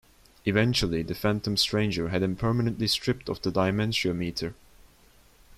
Eventually, the Phantom Stranger had him permanently stripped of the Dimensiometer.